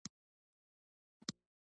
آیا رنګین کالي د ښځو لپاره نه دي؟